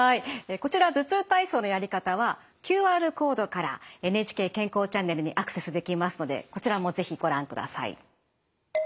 こちら頭痛体操のやり方はＱＲコードから「ＮＨＫ健康チャンネル」にアクセスできますのでこちらも是非ご覧ください。